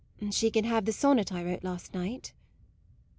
" She can have the sonnet I wrote last night."